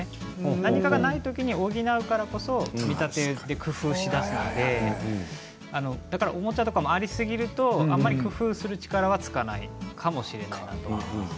何かがないときに補うからこそ見立てて工夫しだすのでおもちゃとかも、ありすぎるとあまり工夫する力はつかないかもしれない。